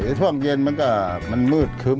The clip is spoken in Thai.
มันจะถ่ายสวยช่วงเย็นมันก็มืดคึ้ม